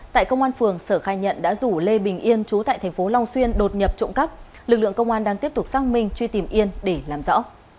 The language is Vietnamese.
tại công an phường sở khai nhận đã rủ lê bình yên chú tại tp long xuyên đột nhập trộm cắp lực lượng công an đang tiếp tục sang mình truy tìm yên để làm rõ